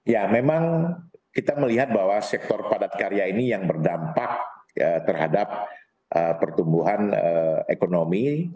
ya memang kita melihat bahwa sektor padat karya ini yang berdampak terhadap pertumbuhan ekonomi